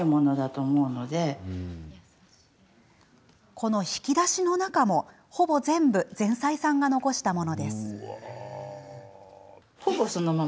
この引き出しの中も、ほぼ全部前妻さんが残したものです。